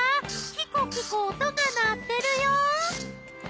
キコキコ音が鳴ってるよ！